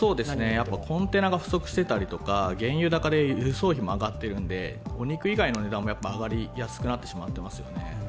やはりコンテナが不足していたり、原油高で輸送費も上がっているのでお肉以外の値段も上がりやすくなってしまっていますよね。